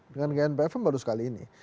dengan gnpf kan baru sekali ini